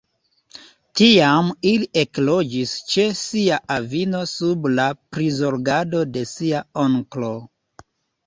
Tiam li ekloĝis ĉe sia avino sub la prizorgado de sia onklo.